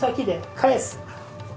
返す。